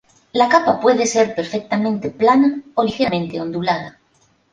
La capa puede ser perfectamente plana o ligeramente ondulada.